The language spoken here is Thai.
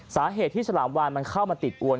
สาเหตุที่ฉลามวานมันเข้ามาติดอวน